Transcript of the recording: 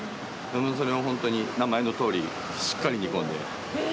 それを本当に名前のとおりしっかり煮込んで。